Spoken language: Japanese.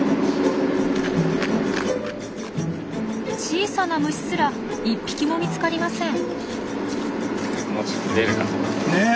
小さな虫すら１匹も見つかりません。